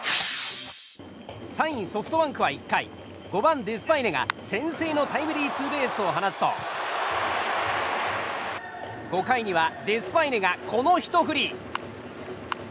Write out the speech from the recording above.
３位、ソフトバンクは１回５番、デスパイネが先制のタイムリーツーベースを放つと５回にはデスパイネがこのひと振り。